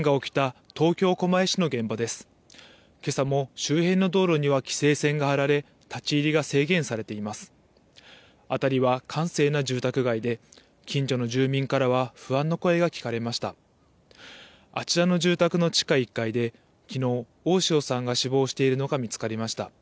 あちらの住宅の地下１階できのう、大塩さんが死亡しているのが見つかりました。